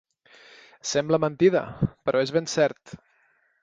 Sembla mentida, però és ben cert.